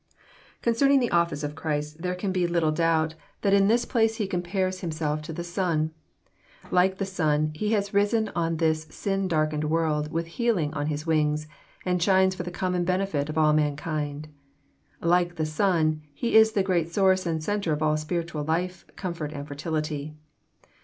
Concerning the office of Christ, there can be little doubt 872 EXPoarroBT thoughts. that in this place He compares Himself to the sun. Like the sun, He has risen on this sin darkened world with heal ing on His'wings, and shines for the common henefit of all mankind. Like the sun. He is the great source and centre of all spiritual life, comfort, and fertility.